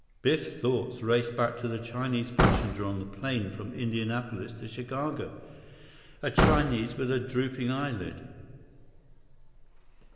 Biff's thoughts raced back to the Chinese passenger on the plane from Indianapolis to Chicago—a Chinese with a drooping eyelid.